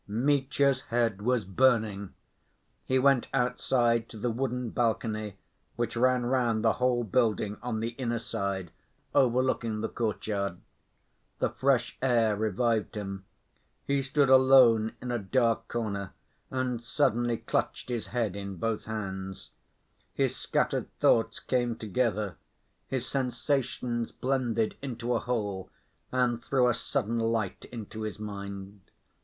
Mitya's head was burning. He went outside to the wooden balcony which ran round the whole building on the inner side, overlooking the courtyard. The fresh air revived him. He stood alone in a dark corner, and suddenly clutched his head in both hands. His scattered thoughts came together; his sensations blended into a whole and threw a sudden light into his mind.